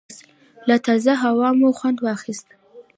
له تازه هوا مو خوند واخیست.